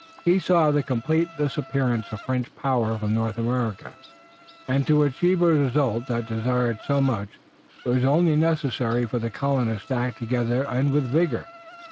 He foresaw the complete disappearance of French power from North America, and, to achieve a result that he desired so much, it was only necessary for the colonists to act together and with vigor.